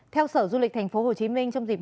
theo sở du lịch tp hcm trong dịp